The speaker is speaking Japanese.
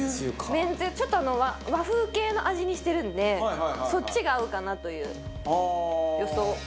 めんつゆちょっとあの和風系の味にしてるんでそっちが合うかなという予想。